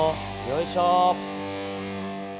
よいしょ。